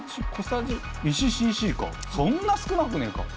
そんな少なくねえか。